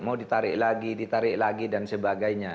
mau ditarik lagi ditarik lagi dan sebagainya